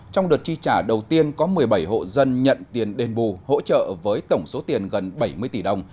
trong đợt chi trả đầu tiên có một mươi bảy hộ dân nhận tiền đền bù hỗ trợ với tổng số tiền gần bảy mươi tỷ đồng